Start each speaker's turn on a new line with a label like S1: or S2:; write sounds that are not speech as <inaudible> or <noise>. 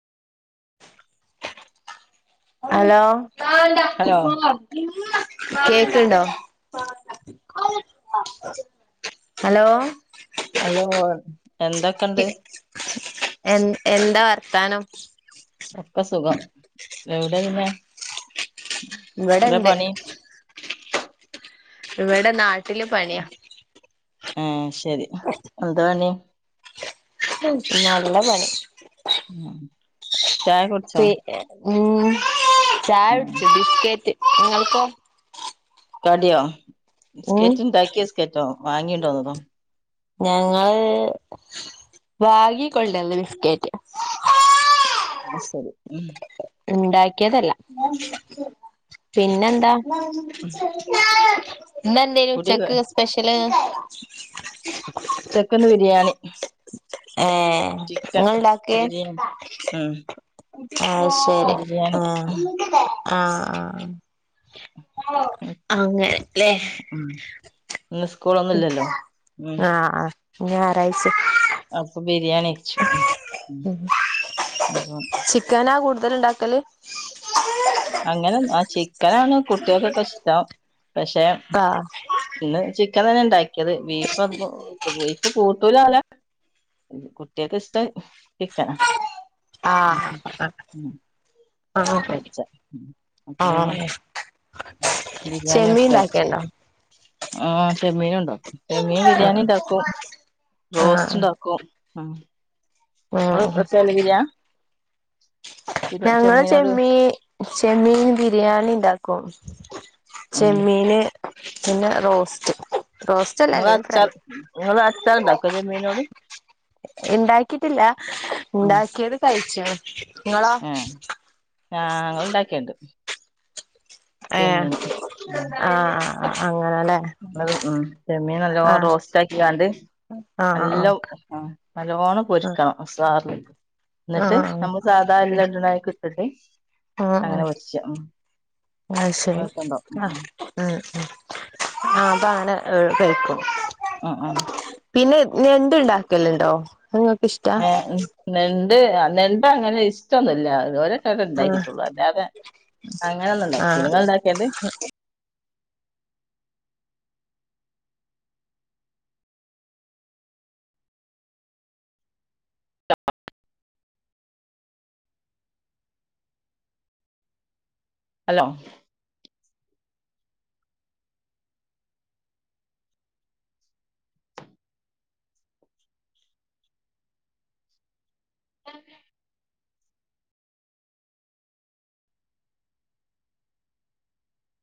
S1: hello
S2: hello
S1: കേക്ക്ണ്ടോ hello
S2: hello എന്തൊക്കെണ്ട്
S1: എൻ എന്താവർത്താനം
S2: ഒക്കെസുഖം എവിടെപിന്നെ
S1: ഇവടെണ്ട് ഇവിടെ നാട്ടില് പണിയാ
S2: ഉം ശരി എന്താ പണി
S1: നല്ല പണി
S2: ഉം ചായ കുടിച്ചോ
S1: പി ഉം ചായ
S2: ഉം
S1: കുടിച്ച് ബിസ്കേറ്റ് നിങ്ങൾക്കൊ
S2: കടിയോ
S1: ഉം
S2: ബിസ്കറ്റിണ്ടാക്കിയ ബിസ്കെറ്റോ വാങ്ങിട്ട് വന്നതോ
S1: ഞങ്ങള് വാങ്ങി കൊണ്ട് വന്ന ബിസ്ക്കറ്റ്
S2: അത് ശരി
S1: ഇണ്ടാക്കിയതല്ല പിന്നെന്താ
S2: ഉം
S1: ഇന്നെന്തേയിനു
S2: കുടിയൊക്കെ
S1: ഉച്ചക്ക് സ്പെഷ്യല്
S2: ഉച്ചക്കിന്ന് ബിരിയാണി
S1: ഏഹ്
S2: ചിക്കൻ
S1: ഇങ്ങൾണ്ടാക്കെ
S2: ബിരിയാണി ഉം
S1: അഹ് ശരി
S2: ബിരിയാണി
S1: അഹ്
S2: ഉം
S1: ആഹ് ആഹ് അഹ് അങ്ങനെ ല്ലെ
S2: ഉം ഇന്ന് സ്കൂളൊന്നുല്ലല്ലോ ഉം
S1: ഞാറാഴ്ചെ
S2: അപ്പൊ ബിരിയാണിയ്ചു ഉം ഉം
S1: ക്കന കൂട്തല്ണ്ടാക്കല്
S2: അങ്ങനെ ചിക്കനാണ് കുട്ട്യേക്കൊക്കെ ഇഷ്ടം പക്ഷെ
S1: പ്പാ
S2: ഇന്ന് ചിക്കൻ തന്നെണ്ടാക്കിയത് ബീഫ് പ്പൊ ബിഫ് കൂട്ടൂലാലെ കുട്ട്യേക് ഇഷ്ടഹ് ചിക്കന
S1: ആഹ്
S2: ഉം
S1: ആഹ്
S2: വെച്ച ഉം അപ്പപിന്നെ
S1: ആഹ്
S2: ചിക്കൻബിരിയാണി
S1: ചെമ്മീൻ
S2: വെക്കാര്ച്ച്
S1: ഇണ്ടാക്കേണ്ടോ
S2: ആഹ് ചെമ്മീനൂണ്ട് ചെമ്മീൻ ബിരിയാണിണ്ടാക്കും
S1: ആഹ്
S2: റോസ്റ്റ്ണ്ടാ ക്കും ഉം ഇങ്ങൾ
S1: ആഹ്
S2: വെക്കളിലെ ബിരിയാ
S1: ഞങ്ങള്
S2: ചെമ്മീനോട്
S1: ചെമ്മീ ചെമ്മീന് ബിരിയാണി ഇണ്ടാക്കും
S2: ഉം
S1: ചെമ്മീന് പിന്നെ റോസ്റ്റ് റോസ്റ്റല്ല അല്ലെങ്കി
S2: ഇങ്ങളച്ചാ
S1: ഫ്രൈ
S2: ഇങ്ങള് അച്ചാർണ്ടാക്കോ ചെമ്മീനോണ്ട്
S1: ഇണ്ടാക്കിട്ടില്ല ഇണ്ടാക്കിയത് കഴിച്ചീണ്
S2: ആഹ് നങ്ങളുണ്ടാകളുണ്ട്
S1: ഏ
S2: ചെമ്മീൻ
S1: ആഹ് അങ്ങനല്ലേ
S2: മ് ചെമ്മീൻ നല്ലോണം റോസ്റ്റ് ആക്കികാണ്ട്
S1: ആഹ്
S2: നല്ല നല്ലോണ്ണം
S1: ആഹ്
S2: പൊരിക്കണം സാറി എന്നിട്ട്
S1: ആഹ്
S2: നമ്മളെ സാധാ എല്ലാ അതിൽ ഇടുന്ന ഇട്ടിട്ട് അങ്ങനെ പൊരിച്ച
S1: ആ ശരി
S2: രസണ്ടാവും
S1: ആ
S2: ഉം
S1: ഉം ഉം ആ അപ്പൊ അത് കഴിക്കും
S2: ഉം ഉം
S1: പിന്നെ ഞെണ്ട് ഇണ്ടാക്കല് ഇണ്ടോ
S2: ഏഹ് ഉം നെണ്ട് നെണ്ട് അങ്ങനെ ഇഷ്ടംന്നുല്ല
S1: ആഹ്
S2: ഉണ്ടാക്കിട്ടുള്ളൂ അല്ലാതെ അങ്ങനെ ഒന്നും ഇണ്ടാക്കി
S1: ആഹ്
S2: നിങ്ങൾ ഇണ്ടാക്കിയത് ഹലോ <inaudible>